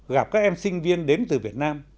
gặp các em sinh viên đến từ việt nam